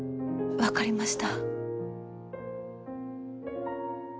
分かりました。